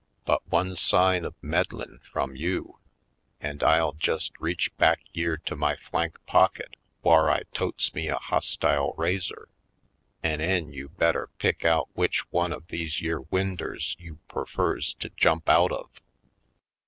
But one sign of meddlin' frum you an' I'll jest Gold Coast 97 reach back yere to my flank pocket whar I totes me a hosstile razor an' 'en you better pick out w'ich one of these yere winders you perfurs to jump out of."